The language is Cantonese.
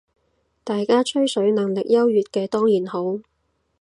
大家吹水能力優越嘅當然好